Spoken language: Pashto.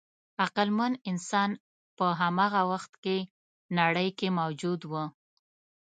عقلمن انسان په هماغه وخت کې نړۍ کې موجود و.